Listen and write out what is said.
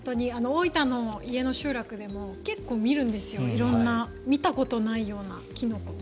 大分の家の集落でも結構見るんですよ、色んな見たことないようなキノコ。